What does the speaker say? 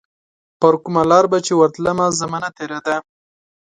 پرکومه لار به چي ورتلمه، زمانه تیره ده